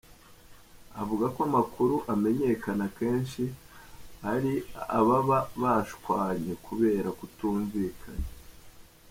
Avuga ko amakuru amenyekana kenshi ari ababa bashwanye kubera kutumvikana.